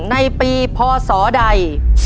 ในปีพอสอใด